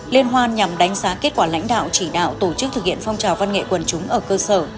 liên hoan nhằm đánh giá kết quả lãnh đạo chỉ đạo tổ chức thực hiện phong trào văn nghệ quần chúng ở cơ sở